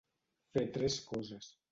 Fer tres coses.